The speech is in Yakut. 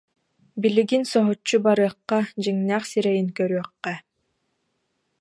Билигин соһуччу барыахха, дьиҥнээх сирэйин көрүөххэ